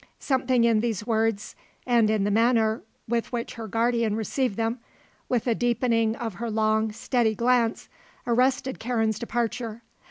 Something in these words and in the manner with which her guardian received them, with a deepening of her long, steady glance, arrested Karen's departure.